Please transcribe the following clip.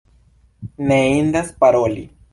Ne indas paroli.